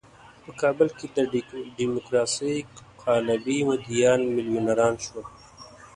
په کابل کې د ډیموکراسۍ قلابي مدعیان میلیونران شول.